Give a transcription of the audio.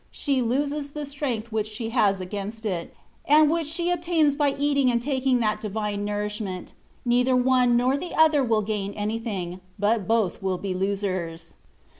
she loses the strength which she has against it^ and which she obtains by eating and taking that divine nourishment; and neither one nor the other will gain anything, but both will be losers.